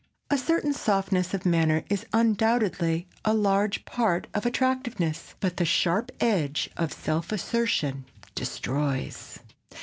A certain softness of manner is undoubtedly a large part of attractiveness, but the sharp edge of self assertion destroys.